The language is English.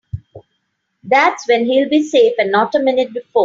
That's when he'll be safe and not a minute before.